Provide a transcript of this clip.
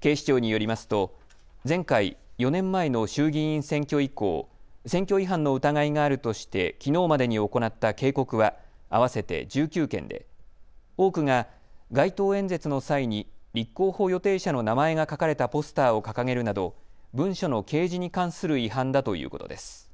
警視庁によりますと前回４年前の衆議院選挙以降、選挙違反の疑いがあるとしてきのうまでに行った警告は合わせて１９件で多くが街頭演説の際に立候補予定者の名前が書かれたポスターを掲げるなど文書の掲示に関する違反だということです。